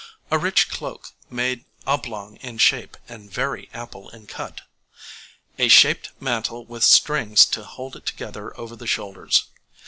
A rich cloak made oblong in shape and very ample in cut. A shaped mantle with strings to hold it together over the shoulders.